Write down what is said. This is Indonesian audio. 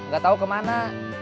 gak tau kemana